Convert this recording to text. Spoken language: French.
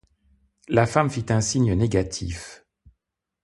La femme fit un signe négatif.